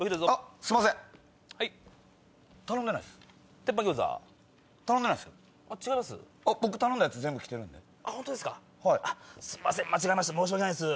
すいません間違えました申し訳ないです。